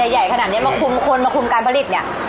ใหญ่ขนาดนี้มาคุมคนมาคุมการผลิตเนี่ย